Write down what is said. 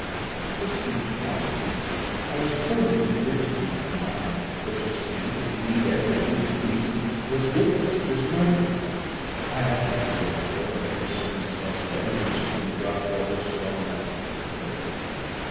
This speech calmed me. I was firmly convinced in my own mind that Justine, and indeed every human being, was guiltless of this murder. I had no fear, therefore, that any circumstantial evidence could be brought forward strong enough to convict her.